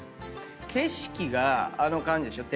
景色があの感じでしょ。